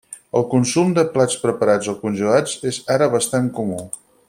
El consum de plats preparats o congelats és ara bastant comú.